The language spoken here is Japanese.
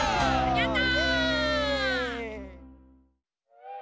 やった！